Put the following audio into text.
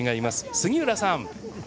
杉浦さん。